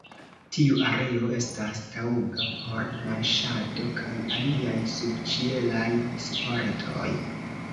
Tiu areo estas taŭga por marŝado kaj aliaj subĉielaj sportoj.